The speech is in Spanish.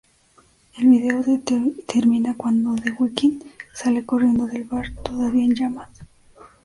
El vídeo termina cuando The Weeknd sale corriendo del bar, todavía en llamas.